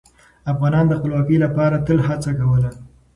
افغانان د خپلواکۍ لپاره تل هڅه کوله.